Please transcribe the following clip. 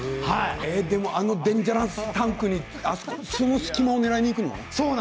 あのデンジャラスタンクにその隙間を狙いにいくの？